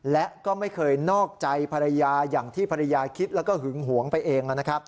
และก็ไม่เคยนอกใจภรรยาอย่างที่ภรรยาคิดแล้วก็หึงหวงไปเอง